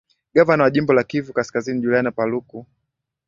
gavana wa jimbo la kivu kaskazini julian paluku